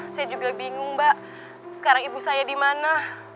saya juga bingung mbak sekarang ibu saya dimana